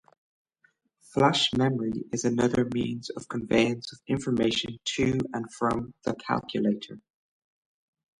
Flash memory is another means of conveyance of information to and from the calculator.